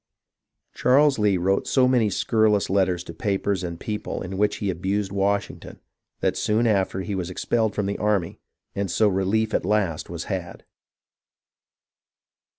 Charles Lee wrote so many scurrilous letters to papers and people, in which he abused Washington, that soon after he was expelled from the army, and so relief at last was had.